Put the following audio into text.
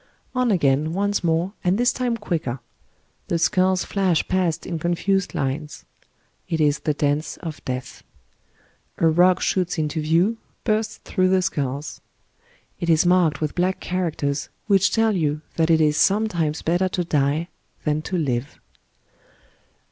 On again, once more, and this time quicker. The skulls flash past in confused lines. It is the dance of death. A rock shoots into view, bursts through the skulls. It is marked with black characters, which teU you that ^^ it is sometimes better to die than to live."